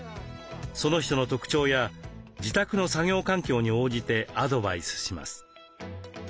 その人の特徴や自宅の作業環境に応じてアドバイスします。